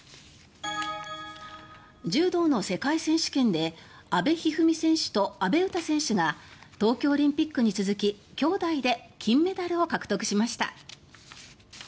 柔道の世界選手権で阿部一二三選手と阿部詩選手が東京オリンピックに続き兄妹で金メダルを獲得しました。